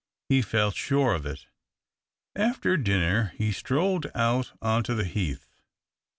He felt sure of it. After dinner he strolled out on to the heath.